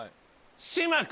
島君。